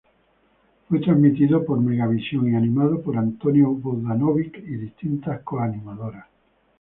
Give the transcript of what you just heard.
Fue transmitido por Megavisión y animado por Antonio Vodanovic y distintas co-animadoras.